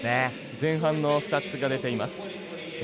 前半のスタッツが出ています。